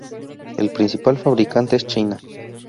El principal fabricante es China.